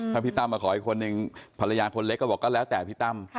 ถ้าพี่ตั้มมาขออีกคนนึงภรรยาคนเล็กก็บอกก็แล้วแต่พี่ตั้ม